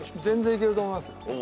全然いけると思います。